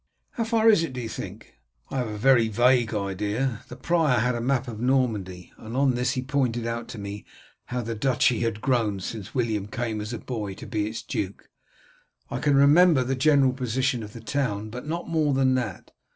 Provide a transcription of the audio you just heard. "How far is it, do you think?" "I have a very vague idea. The prior had a map of Normandy, and on this he pointed out to me how the duchy had grown since William came as a boy to be its duke. I can remember the general position of the town, but not more than that.